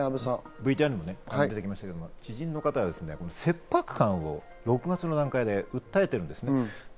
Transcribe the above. ＶＴＲにも出てきましたけど知人の方、切迫感を６月の段階で訴えているんです。